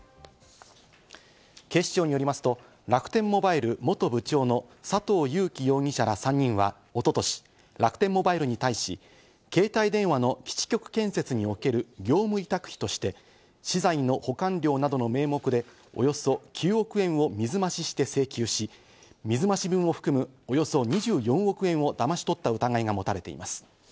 警視庁によりますと、楽天モバイル元部長の佐藤友紀容疑者ら３人は一昨年、楽天モバイルに対し、携帯電話の基地局建設における業務委託費として、資材の保管料などの名目でおよそ９億円を水増しして請求し、水増し分を含む、およそ２４億円をだまし取った疑いが持たれています。